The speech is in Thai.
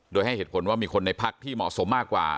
โดยให้เหตุผลว่ามีคนในพักที่เหมาะสมมากกว่า